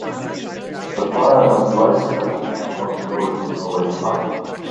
The player must race against the clock in order to solve each puzzle.